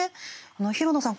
廣野さん